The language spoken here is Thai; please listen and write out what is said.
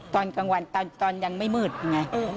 ตอนกลางวันตอนยังไม่มืดไง